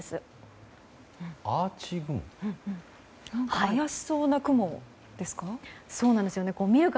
怪しそうな雲ですか。